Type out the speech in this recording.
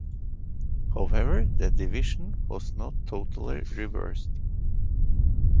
However, the division was not totally reversed.